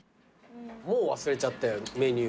もう忘れちゃったよメニュー。